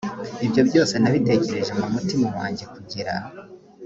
ibyo byose nabitekereje mu mutima wanjye kugira